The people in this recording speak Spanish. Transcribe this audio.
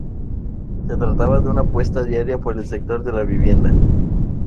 Se trataba de una apuesta diaria por el sector de la vivienda.